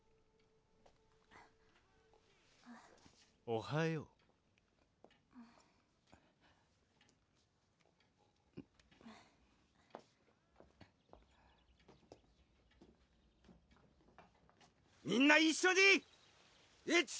おはようみんな一緒に！